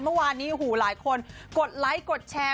เมื่อวานนี้โอ้โหหลายคนกดไลค์กดแชร์